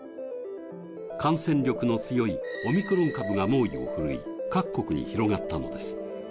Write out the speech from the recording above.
感染力の強いオミクロン株が猛威を振るい、各国に広がったのです。